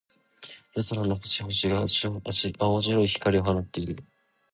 夜空の星々が、青白い光を放っている。